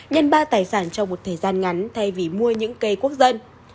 nhân ba tài sản trong một thời gian ngắn thay vì mua những cây quốc dân